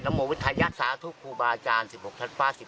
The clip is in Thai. ประโมวิทยาศาสตร์ทุกครูบาอาจารย์๑๖คันฟ้า๑๙ปี